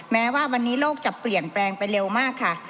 แม้ว่าวันนี้โลกจะเปลี่ยนแปลงไปเร็วมากค่ะ